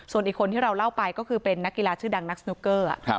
ส่วนอีกคนที่เราเล่าไปก็คือเป็นนักกีฬาชื่อดังนักสนุกเกอร์